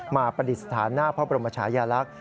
ประดิษฐานหน้าพระบรมชายาลักษณ์